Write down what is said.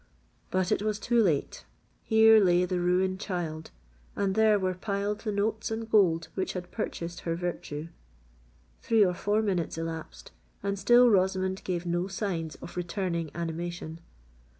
But it was too late!—Here lay the ruined child—and there were piled the notes and gold which had purchased her virtue! Three or four minutes elapsed, and still Rosamond gave no signs of returning animation.